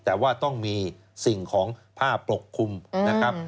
แต่ว่าต้องมีสิ่งของผ้าปกคลุมนะครับ